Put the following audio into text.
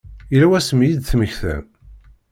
Yella wasmi i d-temmektam?